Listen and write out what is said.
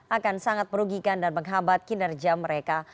akan sangat merugikan dan menghabat kinerja mereka